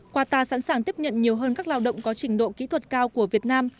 qatar sẵn sàng tiếp nhận nhiều hơn các lao động có trình độ kỹ thuật cao của việt nam